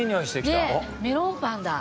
メロンパンだ。